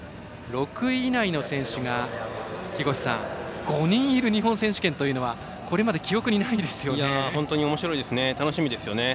６位以内の選手が５人いる日本選手権というのはこれまで、記憶にないですよね。